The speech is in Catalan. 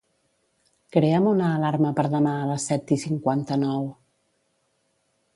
Crea'm una alarma per demà a les set i cinquanta-nou.